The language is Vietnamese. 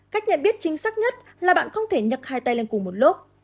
cách nhận biết chính xác nhất là bạn không thể nhật hai tay lên cùng một lúc